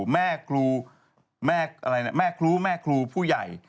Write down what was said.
แม่ครูแม่ครูแม่ครูผู้ใหญ่